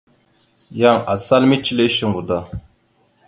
Yan asal mecəle shuŋgo da.